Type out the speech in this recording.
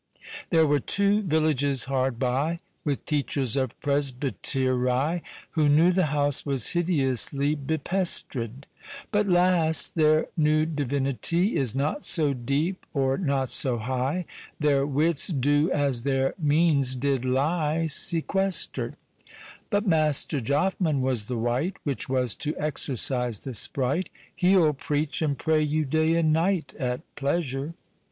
There were two villages hard by, With teachers of presbytery, Who knew the house was hidiously Be pestred; But 'lasse! their new divinity Is not so deep, or not so high; Their witts doe (as their meanes did) lie Sequestred; But Master Joffman was the wight Which was to exorcise the spright; Hee'll preach and pray you day and night At pleasure.